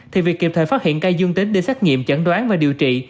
thì việc kịp thời phát hiện cây dương tính để xác nghiệm chẩn đoán và điều trị